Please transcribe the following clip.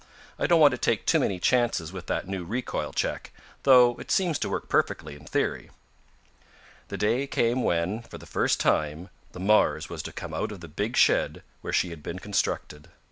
I don't want to take too many chances with that new recoil check, though it seems to work perfectly in theory." The day came when, for the first time, the Mars was to come out of the big shed where she had been constructed.